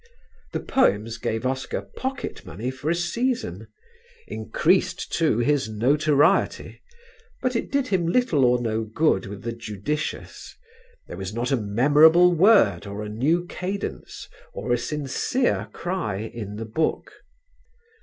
The poems gave Oscar pocket money for a season; increased too his notoriety; but did him little or no good with the judicious: there was not a memorable word or a new cadence, or a sincere cry in the book.